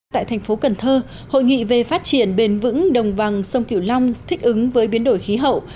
tại thành phố cần thơ hội nghị về phát triển bền vững đồng bằng sông kiểu long thích ứng với biến đổi khí hậu